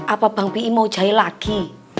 apa bang pi mau jahit lagi